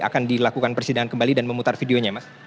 akan dilakukan persidangan kembali dan memutar videonya mas